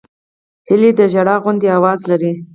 هیلۍ د ژړا غوندې آواز لري